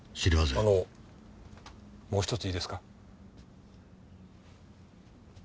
あのもう１ついいですか？